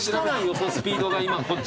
そのスピードが今こっち。